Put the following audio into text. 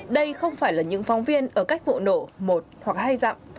đây không phải là những phóng viên ở cách vụ nổ một hoặc hay dặm